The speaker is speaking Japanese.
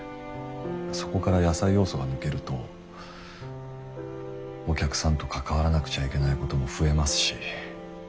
そこから野菜要素が抜けるとお客さんと関わらなくちゃいけないことも増えますし。